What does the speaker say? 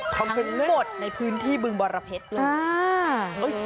ทั้งหมดในพื้นที่บึงบรเพชรเลย